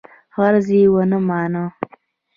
عرض یې ونه مانه.